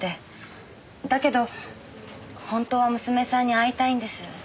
だけど本当は娘さんに会いたいんです。